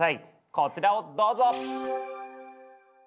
こちらをどうぞ！